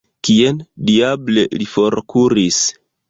Kien, diable, li forkuris?